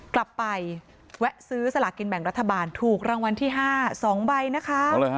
กลับไปแวะซื้อสลากินแบ่งรัฐบาลถูกรางวัลที่๕๒ใบนะคะ